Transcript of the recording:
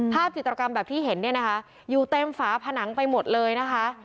จิตรกรรมแบบที่เห็นเนี่ยนะคะอยู่เต็มฝาผนังไปหมดเลยนะคะ